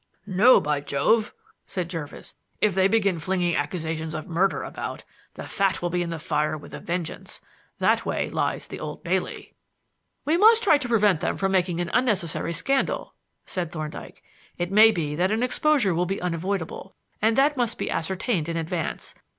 "No, by Jove!" said Jervis. "If they begin flinging accusations of murder about, the fat will be in the fire with a vengeance. That way lies the Old Bailey." "We must try to prevent them from making an unnecessary scandal," said Thorndyke. "It may be that an exposure will be unavoidable, and that must be ascertained in advance.